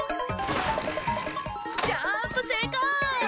ジャンプせいこう！